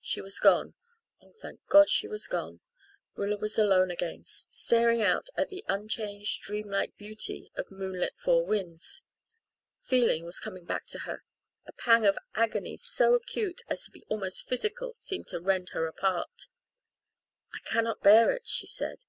She was gone oh, thank God, she was gone! Rilla was alone again, staring out at the unchanged, dream like beauty of moonlit Four Winds. Feeling was coming back to her a pang of agony so acute as to be almost physical seemed to rend her apart. "I cannot bear it," she said.